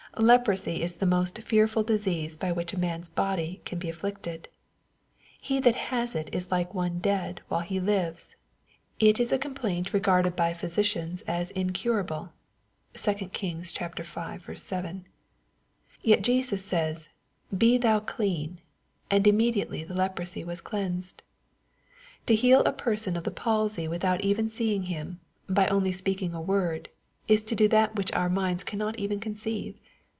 Leprosy is the most fearful disease by which man's body can be afflicted. He that has it is like * one dead while he lives. It is a complaint regarded by 4 1 74 EXPOSITOBT THOUGHTS. physicians as incurable. (2 Kings v. 7.) Yet J esus says, ''be thou clean, and immediately the leprosy was cleansed/' — To heal a person of the palsy without even seeing him, by only speaking a word, is to do that which our minds cannot even conceive.